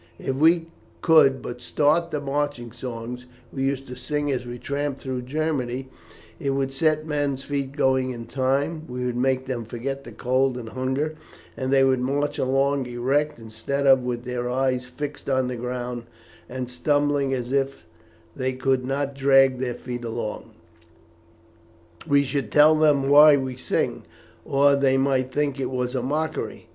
If we could but start the marching songs we used to sing as we tramped through Germany, it would set men's feet going in time, would make them forget the cold and hunger, and they would march along erect, instead of with their eyes fixed on the ground, and stumbling as if they could not drag their feet along. We should tell them why we sing, or they might think it was a mockery.